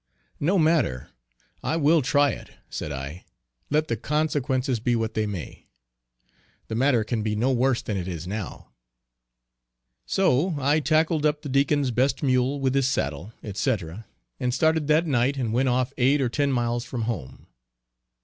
"No matter, I will try it," said I, "let the consequences be what they may. The matter can be no worse than it now is." So I tackled up the Deacon's best mule with his saddle, &c., and started that night and went off eight or ten miles from home.